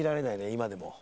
今でも。